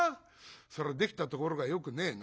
そりゃできたところがよくねえな。